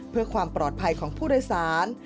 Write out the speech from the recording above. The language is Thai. เพื่อความปลอดภัยของผู้โดยสาร